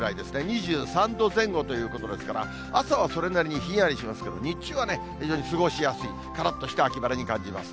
２３度前後ということですから、朝はそれなりにひんやりしますけど、日中は非常に過ごしやすい、からっとした秋晴れに感じます。